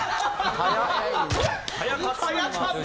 早かったな！